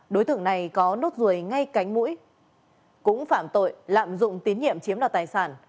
đối tượng này có nốt ruồi ngay cánh mũi cũng phạm tội lạm dụng tín nhiệm chiếm đoạt tài sản